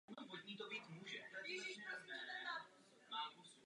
Existuje mnoho druhů ložisek.